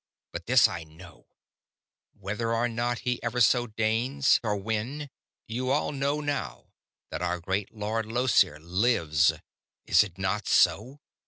But this I know whether or not he ever so deigns, or when, you all know now that our great Lord Llosir lives. Is it not so?"